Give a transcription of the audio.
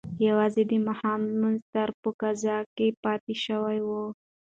یوازې د ماښام لمونځ ترې په قضا کې پاتې شوی و.